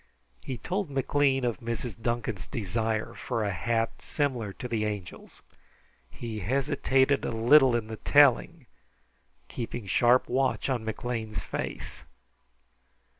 He told McLean of Mrs. Duncan's desire for a hat similar to the Angel's. He hesitated a little in the telling, keeping sharp watch on McLean's face.